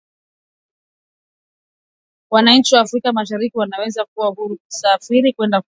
Wananchi wa Afrika Mashariki wanaweza kuwa huru kusafiri kwenda Kongo